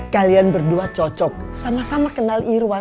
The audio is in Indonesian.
kalian berdua cocok sama sama kenal irwan